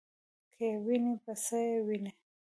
کې وینې په څه یې وینې ؟